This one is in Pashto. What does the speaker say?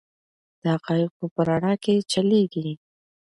د حقایقو په رڼا کې چلیږي.